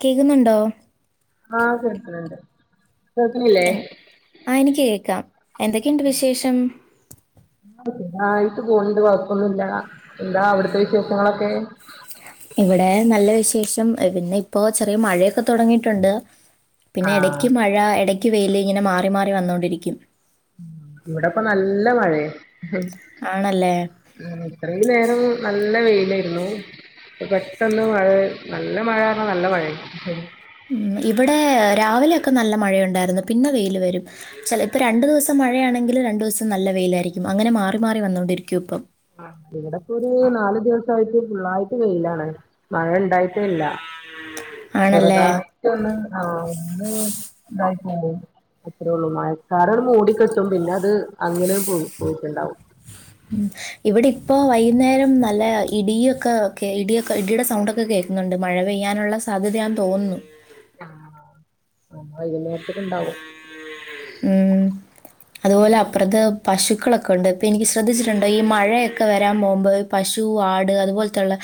കേൾക്കുന്നുണ്ടോ? ആഹ് കേൾക്ക്ണ് ണ്ട്. ആഹ് എനിക്ക് കേക്കാം. എന്തൊക്കെയുണ്ട് വിശേഷം? ആയുസ്സ് കൂടുന്നുണ്ട് കൊഴപ്പൊന്നുല്ല. എന്താ അവിടത്തെ വിശേഷങ്ങളൊക്കെ? ഇവിടെ നല്ല വിശേഷം. പിന്നെ ഇപ്പോ ചെറിയ മഴയൊക്കെ തൊടങ്ങിയിട്ടുണ്ട്. പിന്നെ ആഹ് എടയ്ക്ക് മഴ എടയ്ക്ക് വെയില്. ഇങ്ങനെ മാറി മാറി വന്നോണ്ടിരിക്കും. ഇവിടെപ്പ നല്ല മഴയ ആണല്ലേ ഉം ഇത്രീം നേരം നല്ല വെ. ലേര്ന്നു. ഇപ്പൊ പെട്ടെന്ന് മഴ നല്ല മഴ [unintelligible] നല്ല മഴാണ്. ഉം ഇവിടെ രാവിലെയൊക്കെ നല്ല മഴയുണ്ടായിരുന്നു. പിന്നെ വെയിൽ വരും. ചെലപ്പോ രണ്ടുദിവസം മഴയാണെങ്കില് രണ്ടുദിവസം നല്ല വെയിലായിരിക്കും.. അങ്ങനെ മാറി മാറി വന്നോണ്ടിരിക്കും ഇപ്പം. ആഹ് ഇവിടെപ്പൊര് നാല് ദിവസായിട്ട്. ഫുള്ളായിട്ട് വെയിലാണ് മഴ ഇണ്ടായിട്ടേയില്ല. ആണല്ലേ ചെറുതായിട്ട് ഒന്ന് ആഹ് ഒന്ന്. ഉം. അത്രേ ഉള്ളൂ മഴക്കാർ മൂടി കെട്ടും പിന്നെ അത് അങ്ങനെണ്ട് പോയി പോയിട്ടുണ്ടാവും. ഉം ഇവിടെ ഇപ്പോ വൈകുന്നേരം നല്ല ഇടിയൊക്കെ ഇടിയൊക്കെ ഇടിയുടെ സൗണ്ടൊക്കെ കേൾക്കുന്നുണ്ട് മഴ പെയ്യാനുള്ള സാധ്യതയാന്ന് തോന്നുന്നു. ആഹ്. വൈകുന്നേരത്തേക്ക് ഇണ്ടാവും ഉം അതുപോലെ അപ്പർത്ത് പശു മക്കളൊക്കെ ഉണ്ട് അപ്പ എനിക്ക് ശ്രദ്ധിച്ചിട്ടുണ്ടോ ഈ മഴയൊക്കെ വരാൻ പോകുമ്പോൾ പശു ആട് അതുപോലത്തുള്ള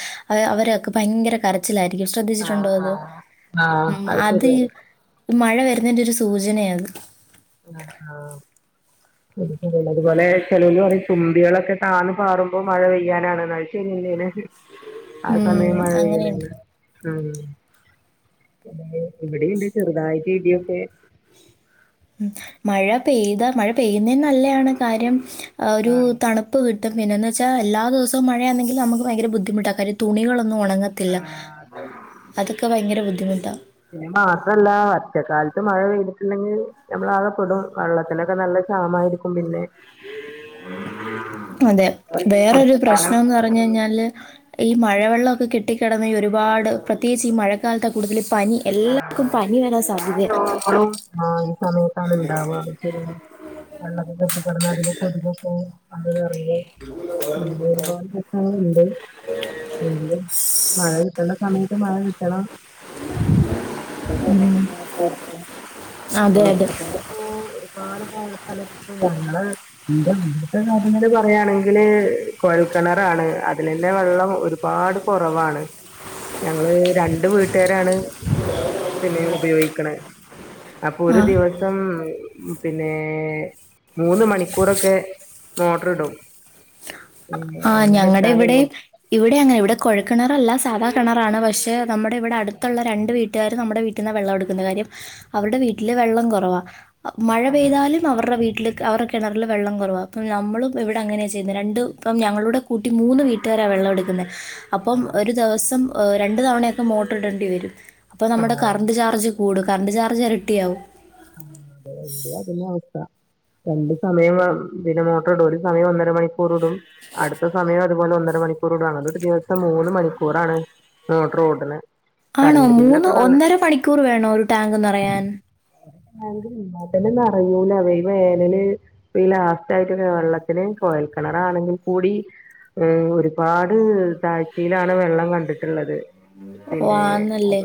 അവരെയൊക്കെ ഭയങ്കര കരച്ചിലായിരി [unintelligible] ആഹ് ശ്രദ്ധിച്ചിട്ടുണ്ടോ അത് ആഹ് ആഹ് ഉം അത് ശരിയാണ് മഴ വര് ഇതെൻ്റെ ഒരു സൂചനയാ അത് ആഹ് ആഹ് ഉം ഉള്ളത്തുപോലെ ചെലോരു പറയും തുമ്പികളൊക്കെ താന്നു പാറുമ്പോ മഴ പെയ്യാനാണ് എന്ന ശരില്ലേനെ ആ ഉം, സമയം മഴ പെയ്യൽ അങ്ങനെയുണ്ട് ഉണ്ട് ആഹ് ഇവിടെ ഇണ്ട് ചെറുതായിട്ട് ഇടിയൊക്കെ ഉം മഴ പെയ്താ മഴ പെയ്യുന്നെ നല്ലയാണ് കാര്യം ഒരു ആഹ് തണുപ്പ് കി ട്ടും പിന്നെന്ന് വച്ചാ എല്ലാ ദിവസവും മഴയാന്നെങ്കി നമുക്ക്‌ ഭയങ്കര ബുദ്ധിമുട്ട കാര്യം തുണികളോന്നും ഒണങ്ങത്തില്ല ആഹ് അതെ അതൊക്കെ ഭയങ്കര ബു ദ്ധിമുട്ടാ പിന്നെ മാത്രല്ല ഒറ്റക്കാലത്ത് മഴ പെയ്തിട്ടില്ലെങ്കി നമ്മളാകെപ്പെടും വെള്ളത്തിനൊക്കെ നല്ല ക്ഷാമാരിക്കും പിന്നെ അതെ വേറൊരു പ്രശ്നംന്ന് പറഞ്ഞു വർഷക്കാലം കഴിഞ്ഞാല് ഈ മഴ വെള്ളൊക്കെ കെട്ടിക്കിടന്ന് ഒരുപാട് പ്രത്യേകിച്ച് ഈ മഴക്കാലത്ത കൂടുതലും ആ എല്ലാ രോഗങ്ങളും ഈ സമയത്താണ് ഇണ്ടാവുക വള്ളക്ക കെട്ടികെ [unintelligible] കൊതുകൊക്കെ [unintelligible] അങ്ങനെ ഒരുപാട് പ്രശ്നങ്ങളുണ്ട് എങ്കിലും മഴ കിട്ടേണ്ട സമയത്ത് മഴ കിട്ടണം അതെ അതെ [unintelligible] ഇങ്ങള് ഇന്റെ ഇവിടത്തെ കാര്യങ്ങള് പറയാണെങ്കില് കോഴൽക്കെണറാണ് അതിലെന്നെ വെള്ളം ഒരുപാട് കൊറവാണ് ഞങ്ങള് രണ്ട് വീട്ടുകാരാണ് പിന്നെ ഉപയോഗിക്ക്ണ് അപ്പൊ ഒരു ആ ദിവസം പിന്നെ മൂന്ന് മണിക്കൂറൊക്കെ മോട്ടർ ഇടും പിന്നെ ആ അങ്ങനെ ഞങ്ങടെ ഇട്ടാലല്ലോ ഇവിടേം ഇവിടെ അങ്ങനെ ഇവിടെ കൊഴക്കെണറല്ല സാധാ കെണറാണ് പഷെ നമ്മടെ ഇവിടെ അടുത്തോള്ള രണ്ട് വീട്ട ട്ടുക്കാരും നമ്മടെ വീട്ടിന്നവെള്ളം എടുക്കുന്നെ കാര്യം അവരുടെ വീട്ടില് വെള്ളം കൊറവാ മഴ പെയ്താലും അവറ്ടെ വീട്ടില് അവറെ കെണറല് വെള്ളം കൊറവാ അപ്പം നമ്മളും ഇവിടെ അങ്ങനെയാ ചെയ്യുന്നെ രണ്ടു ഇപ്പം ഞങ്ങളൂടെ കൂട്ടി മൂന്ന് വീട്ടുകാരാ വെള്ളം എടുക്കുന്നെ അപ്പം ഒരു ദേവസം ഓഹ് രണ്ട് തവണയൊക്കെ മോട്ടറിടേണ്ടി വരും അപ്പൊ നമ്മടെ ആഹ് കറണ്ട് ചാർജും കൂട് കറണ്ട് ചാർജ് എരട്ടിയാവും ആ അതെ ഇവിടെം ആ അത്തന്നെയാ അവസ്ഥ രണ്ട് സമയം പിന്നെ മോട്ടോർ ഇടും ഒരു സമയം ഒന്നര മണി റൂടും അടുത്ത സമയം അതുപോലെ ഒന്ന മണിക്കൂറൂടാണലോ [unintelligible] ഇത്ത മൂന്ന് മണിക്കൂറാണ് മൊട്ടറ് ഓടണ് ആണോ മൂന്ന് ഒന്നര മണിക്കൂറ് വേണോ ഒരു ടാങ്ക് നേറയാൻ [unintelligible] നെറയുലാ ഈ വേനല് ഈ ലാസ്റ്റ് ആയിട്ട് വെള്ളത്തിന് കോയൽ കിണറാണെങ്കി കൂടി ഒരുപാട് താഴ്ചയിലാണ് വെള്ളം കണ്ടിട്ട്ള്ളത് വാ ന്നല്ലേ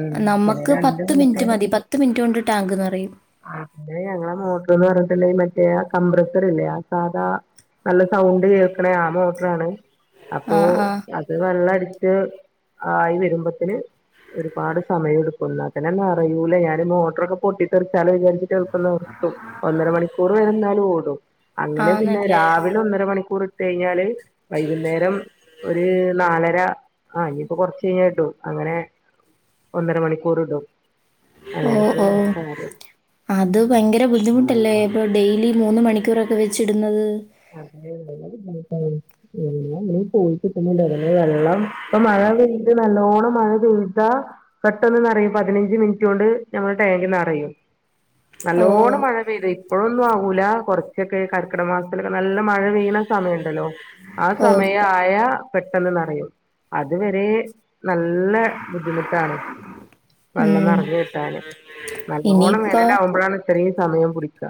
ഉം നമ്മുക്ക് പത്ത് മിനിറ്റ് മതി പത്ത് മിനിറ്റ് കൊണ്ട് ടാ ആ പിന്നെ ഞങ്ങളെ മോട്ടറ് ന്ന് പറഞ്ഞ്ട്ടിള്ളെ മറ്റേ ആ കംമ്പ്രസ്സറില്ലേ ആ സാധാ നല്ല സൗണ്ട് കേൾക്കണെ ആ മോട്ട്റാണ് ആ അപ്പോ ആ അത് വെള്ളടി ച്ച് ആയിവരുമ്പത്തന് ഒരുപാട് സമയം എടുക്കുന്നു ന്നതന്നെ നെറയുലാ ഞാന് മോ ട്ട്റൊക്കെ പൊട്ടി തെറിച്ചാലോ വിചാരിച്ച് [unintelligible] നിർത്തും ഒന്നര മണിക്കൂറ് വേണം ന്നാലും ഓടോം അങ്ങനെ പിന്നെ ആണല്ലേ രാവിലെ ഒന്നര മണിക്കൂറി കഴിഞ്ഞാല് വൈകുന്നേരം ഒരു നാലര ആഹ് ഇനിയിപ്പോ കൊറച്ച് കഴിഞ്ഞേ ഇടു അങ്ങനെ ഒന്നര മണിക്കൂർ ഇടും ഓ അങ്ങ ഓ അത് ഭയങ്കര ബുദ്ധിമുട്ടല്ലേ ഇപ്പൊ ഡെയിലി മൂന്ന് മണിക്കൂറൊക്കെ വെച്ചിടുന്നത് അതെ വളരെ ബുദ്ധിമുട്ടാണ് ഉം എന്നാ അങ്ങനെ പോയി കിട്ട്ന്ന്ണ്ട് അതന്നെ വെള്ളം ഇപ്പം മഴ പെയ്ത് നല്ലോണം മഴ പെയ്താ പെട്ടെന്ന് നറയും പതിനഞ്ച് മിനിറ്റോണ്ട് ഞമ്മള ടാങ്ക്ന്നറയും ഓ നല്ലോണം മഴ പെയ്ത് ഇപ്പൊഴും ന്നു ആവൂലാ കൊറ്ച്ചക്കെ കർക്കിട മാ [unintelligible] നല്ല മഴ പെയ്യ്ണ സമയണ്ടല്ലോ ആ ഓ സമയായ പെട്ടന്ന് നറയും അതുവരെ നല്ല ബുദ്ധിമുട്ടാണ് വള്ളം ഉം നറഞ്ഞ് കിട്ടാന്. നല്ലോണ്ണം ഇനിയിപ്പോ വേനലാവുമ്പഴാണ് ഇത്തറീം സമയം പുടിക്കാ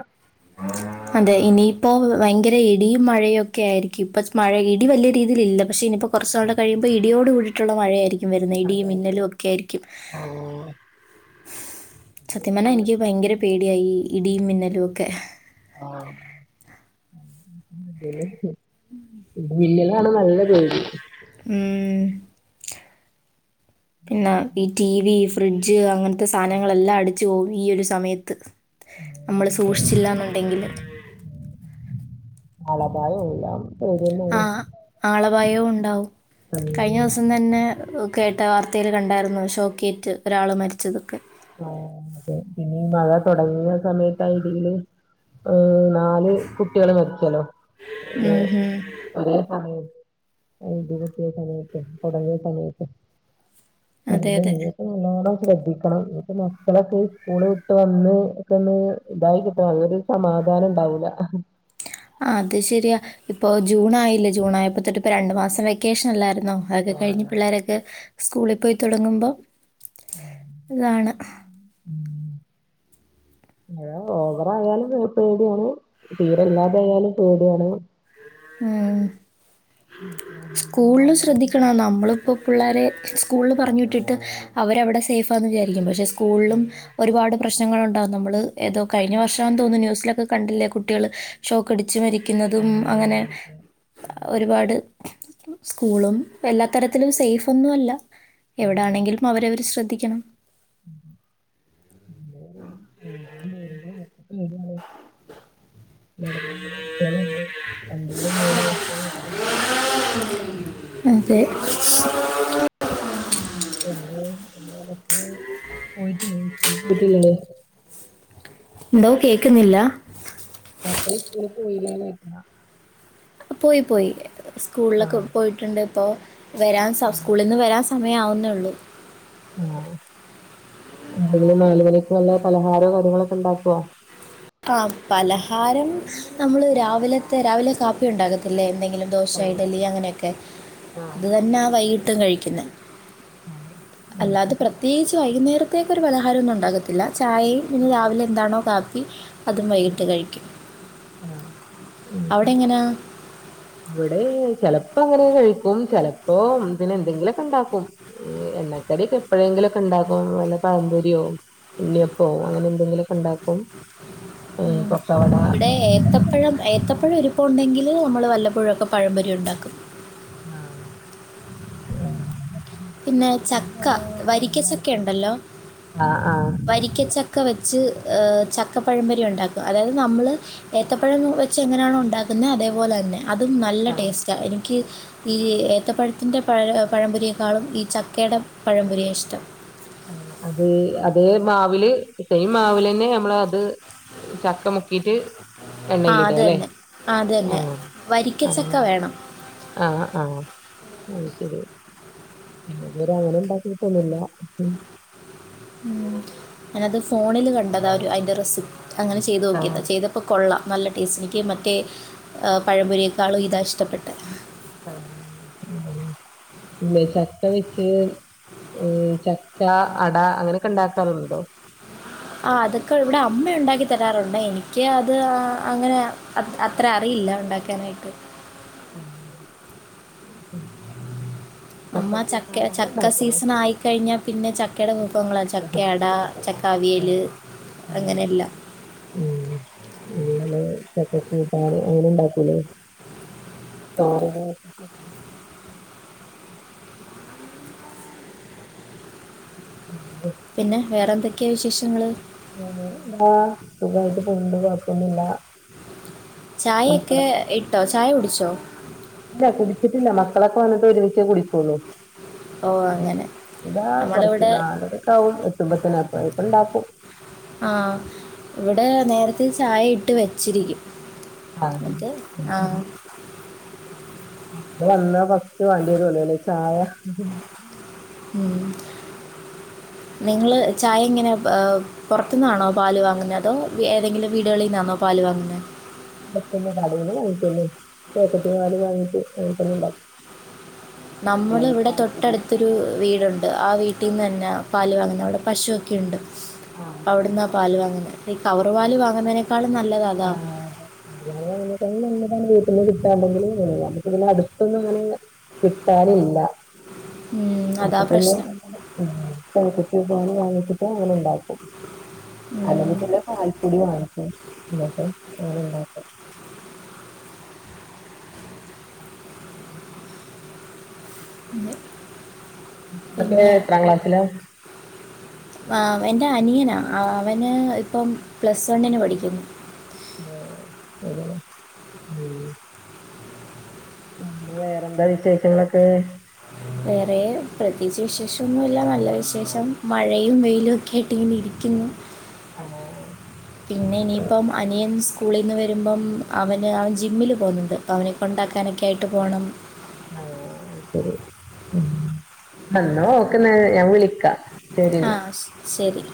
അതെ ഇനിയിപ്പോ വയങ്കര ഇടിയും മഴയയും ഒക്കെ ആയിരിക്കും. ഇപ്പൊ മഴ ഇടി വല്ല്യാ രീതില് ഇല്ല പക്ഷെ ഇനിയിപ്പോ കൊറച്ച് നാള്ടെ കഴിയുമ്പോ ഇടിയോട് കൂടിയിട്ടുള്ള മഴയേരി ക്കും വരുന്നെ ഇടീം അതെ അതെ മിന്നലും ഒക്കെയായിരിക്കും ആഹ് സത്യം പറ്ഞ്ഞ നല്ല എനിക്ക് ഭയങ്കര പേടിയാ ഈ ഇ ഡീ മിന്നലു ഒക്കെ ആ മിന്നലാണ് നല്ല പേടി ഊം പിന്നെ ഈ ടീവി ഫ് ഫ്രിഡ്ജ് അങ്ങൻ തെ സാനങ്ങളെല്ലാം അടി ജോ ഈ ഒരു സമയത്ത് നമ്മള് സൂക്ഷിച്ചില്ലാന്നുണ്ടെങ്കില് ആളഭായും ല്ലാം ആ ആളപായവും ഉണ്ടാവും ഉം കഴിഞ്ഞ ദിവസം തന്നെ എ കേ ട്ട വാർത്തയിൽ കണ്ടായിരുന്നു ഷോക്കേറ്റ് ഒരാള് മരിച്ചതൊക്കെ ആ അതെ പിന്നെ ഈ മഴ തുടങ്ങിയ സമയത്താ ഇടി മിന്നല് ഓ നാല് കുട്ടികള് മരിച്ചല്ലോ ഒരു ഉം ഹും. ഒരേ സമയം ആ ഇടി വെട്ടിയ സമയത്തേ തൊടങ്ങിയ സമയത്ത് അതെ അതെ [unintelligible] ശ്രദ്ധിക്കണം ഉം ഈ മക്കളൊക്കെ സ്കൂള് വിട്ട് വന്ന് ഒക്കെ ഒന്ന് ഇതായി കിട്ടണോ അരു സമാധാനണ്ടാവൂല ആ അത് ശരിയാ ഇപ്പോൾ ജൂൺ ആയില്ലേ ജൂൺ ആയപ്പോ തൊട്ട് ഇപ്പോ രണ്ടു മാസം വെക്കേഷൻ അല്ലായിര് ന്നോ അതൊക്കെ കഴിഞ്ഞ് പിള്ളോരൊക്കെ സ്കൂളി പോയി തുടങ്ങുമ്പം ഉ ഉം ഓ ഓവറായാലും പേ പേടിയാണ് തീരെല്ലാതായാലും പേടിയാണ് ഊം ഉം സ്കൂള് ള് ‌ശ്രദ്ധിക്കണം നമ്മളിപ്പോ പുള്ളാരെ സ്കൂളില് പറഞ്ഞു വിട്ടിട്ട് അവരവിടെ സേഫാന്ന് വിചാരിക്കും പക്ഷേ സ് കൂൾലും ഒരുപാട് പ്രശ്നങ്ങളുണ്ടാകും നമ്മള് ഏതോ കഴിഞ്ഞ വർഷാന്ന് തോന്നുനു ന്യൂസിലൊക്കെ കണ്ടില്ലേ കുട്ടികള് ഷോക്ക് അടിച്ച് മരി ക്കുന്നതും അങ്ങനെ ഒരു പാട് സ്കൂളും എല്ലാത്തരത്തിലും സേയ്ഫൊന്നു അല്ല എവടാണെങ്കിലും അവരവർ ശ്രദ്ധി ക്കണം [unintelligible] അതെ പിന്നെ [unintelligible] പോയിട്ടില്ലേ പോയിട്ടില്ലല്ലേ എടേ കേക്കുന്നില്ല മക്കള് സ്കൂളിൽ പോയില്ലേല്ലേ പോയി പോയി സ്കൂളിലൊക്കെ ആഹ് പോയിട്ടുണ്ട് ഇപ്പോ വരാൻ സ ആഹ് സ്കൂളിന്ന് വരാൻ സ സമയാവുന്നോള്ളൂ ആഹ് എന്തെങ്കിലും നാല് മണിക്കുള്ള പലഹാരോ കാര്യങ്ങളൊക്കെ ഒണ്ടാക്കൊ? ആഹ് പലഹാരം നമ്മള് രാവിലത്തെ രാവിലെ കാപ്പി ഒണ്ടാക്കത്തില്ലേ എന്തെങ്കിലും ദോശാ ആഹ് ഇഡ്ഡലി അങ്ങനെയൊക്കെ ആഹ് അത് തന്നാ വൈകി ട്ടും കഴിക്കുന്നെ അതെ അത് അല്ലാതെ ശരി പ്രത്യേകിച്ച് വൈകുന്നേരം പ്രത്യേകൊരു പലഹാരോന്നു ഒണ്ടാക്കത്തില്ല ചായയും ഇനി ആഹ് രാവിലെ എന്താണോ കാ പ്പി അതും ആഹ് വൈകിട്ട് കഴിക്കും ആഹ് അത് അവിടെ ശരി എങ്ങനാ ഇവിടെ ചെലപ്പോ അങ്ങനെ കഴി ചെലപ്പോ പിന്നെ ന്തെങ്കിലൊ ണ്ടാക്കും എണ്ണക്കടിയൊക്കെ എപ്പോഴെങ്കിലൊക്കെ ണ്ടാക്കും നല്ല പഴമ്പൊരിയോ ഉണ്യയപ്പോ അങ്ങനെന്തെങ്കിലൊക്കെ ണ്ടാക്കും ഉം ഇവിടെ ഏത്തപ്പഴം ഏത്തപ്പഴം ഇരുപ്പോണ്ടങ്കിൽ അത് നമ്മള് വല്ലപ്പോഴൊക്കെ പഴമ്പൊരി ഒണ്ടാക്കും ആഹ് പിന്നെ ചക്ക വരിക്കച്ചക്ക ണ്ടല്ലോ ആഹ് ആഹ് വരിക്കച്ചക്ക വെച്ച് ചക്കപ്പഴപൊരി ഉണ്ടാക്കും അതായത് നമ്മള് ഏത്തപ്പഴം വെച്ച് എങ്ങനാണോ ഉണ്ടാക്കുന്നെ അതേപോലെന്നെ അതും നല്ല ടേസ്‌റ്റായ് ക്ക് ഈ ഏത്തപ്പഴത്തിന്റെ പഴ പഴമ്പൊരി ക്കാളും ഈ ചക്കെടെ പഴം പൊരിയാ ഇഷ്ടം. അതേ അതേ മാവില് സെയിം മാവ് ലെന്നെ ഞമ്മള് അത് ചക്ക മുക്കിട്ട് ആ അത് എണ്ണയിലിടാല്ലേ. തന്നെ ആ അത് തന്നെ ആഹ് വരിക്കച്ചക്ക ആഹ് വേണം ആഹ് ആഹ് അഹ് ശരി തുവരെ അങ്ങനെ ഇണ്ടാക്കിട്ടൊന്നുല്ല ഉംഹ് ഞാനത് ഫോണില് കണ്ടതാ ഒരു അയ്ന്റെ റെസിപ് അങ്ങനെ ചെയ്ത് നോക്കിയതാ ആഹ് ചെയ്തപ്പ കൊള്ളാം നല്ല ടേസ്റ്റ്. എനിക്ക് മറ്റേ പഴപൊരിയേക്കാളും ഇതാ ഇഷ്ടപ്പെട്ടെ പിന്നെ ചക്ക വെച്ച് ചക്ക അട അങ്ങനെയൊക്കെ ണ്ടാക്കാറുണ്ടോ? ആഹ് അതൊക്കെ ഇവടെ അമ്മ ഉണ്ടാക്കി തരാറുണ്ട് എനിക്ക് അത് അങ്ങനെ അ ത് അത്ര അറിയില്ല ഉണ്ടാക്കാനായിട്ട് ആ, ചക്ക അമ്മ ചക്കെ കൂട്ടാന് അങ്ങനെ ചക്ക ഉണ്ടാക്കൂലേ സീസനായി കഴിഞ്ഞാ പിന്നെ ച ചക്കേട വിഭവങ്ങളാ ചക്കയട അതെ ചക്ക അവിയല് ഉം അങ്ങനെയെല്ലാം ഉം ഇങ്ങനെ ചക്ക കൂട്ടാന് അങ്ങനെ ഇണ്ടാക്കൂലേ തോരന് പിന്നെ വേറെന്തൊക്കെയാ വിശേഷങ്ങള്? കൊണ്ട് കൊഴപ്പൊന്നുല്ല ചായ മക്കള് ഒക്കെ ഇട്ടോ? ചായ കുടിച്ചോ? ഇല്ല കുടിച്ചിട്ടില്ല മക്കളൊക്കെ വന്നിട്ട് ഒരുമിച്ച് കുടി കൊള്ളൂ ഓ അങ്ങനെ ഇതാ കൊറച് നമ്മളിവിടെ നാലരക്കആവും എത്തുമ്പത്തിന് അപ്പയേക്ക്‌ ഇണ്ടാക്കും ആ ഇവിടെ നേരത്തെ ചായ ഇട്ട് വെച്ചിരിക്കും ആഹ് എന്നിട്ട് അത് ആ ശരി അത് വന്ന ഫസ്റ്റ് വേണ്ടിവരൂലോല്ലേ ചായ ഉം നിങ്ങള് ചായ എങ്ങനെ [unintelligible] പൊറത്തു നിന്നാണോ പാല് വാങ്ങുന്നെ അതോ ഏതെങ്കിലും വീടുകളിൽ നിന്നാണോ പാല് വാങ്ങുന്നെ പൊറത്തുനിന്ന് കടേന്ന് വാങ്ങിക്കന്നേ പാക്കറ്റ് പാൽ വാങ്ങിട്ട് അങ്ങനെ തന്നെ ഇണ്ടാക്കും നമ്മള് അല്ലെങ്കി ഇവിടെ പാൽപ്പൊടി തൊട്ടടുത്തൊരു വീ വീടുണ്ട് ണ്ട് ആ വീട്ടിൽ നിന്ന് തന്നെ പാല് വാങ്ങുന്ന അവിടെ പശു ഒക്കെ ഉണ്ട് ആഹ് അവിട്ന്നാ പാല് വങ്ങുന്നെ ഈ കവർ പാൽ വാങ്ങുന്നതിനേക്കാളും നല്ലത് അതാ വീട്ടിൽ നിന്നും കിട്ടാൻ ഉണ്ടെങ്കിൽ പക്ഷെ അടുത്തൊന്നും അങ്ങനെ കിട്ടാനില്ല ഉം, അതാ അപ്പൊ പിന്നെ പ്രശ്നം പ്ക്കറ്റ് വാങ്ങിട്ട് അങ്ങനെ ഉണ്ടാക്കും ഉം, അല്ലെങ്കിൽ പിന്നെ പാൽപ്പൊടി വാങ്ങിക്കും എന്നൊക്കെ അങ്ങനെ ഉണ്ടാക്കും അതെ മക്കള് എത്രാം ക്ലാസിലാ ആ എന്റെ അനിയനാ അവന് ഇപ്പം പ്ലസ് വണ്ണിന് പഠിക്കുന്നു ആ അത ഉം അ വേറെന്താ വിശേഷങ്ങളൊക്കെ വേറെ പ്രത്യേകിച്ച് വിശേഷംഒന്നൂല്ല നല്ല വിശേഷം മഴയും വെയിലും കെട്ടിനി ഇരിക്കുന്നു ആഹ് പിന്നെ ഇനിയിപ്പം അനിയൻ സ്കൂളിൽ നിന്ന് വരുമ്പം അവന് അവൻ ജിമ്മിൽ പോകുന്നുണ്ട് അവനെ കൊണ്ടാക്കാനൊക്കെ ആയിട്ട് പോണം ആ അയ്ശരി എന്നാ ഓക്കെന്നാല് ഞാൻ വിളിക്കാം ശരി എന്നാ ആഹ് ശരി